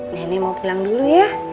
nenek mau pulang dulu ya